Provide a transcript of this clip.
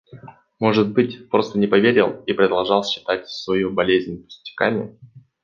Может быть, просто не поверил и продолжал считать свою болезнь пустяками.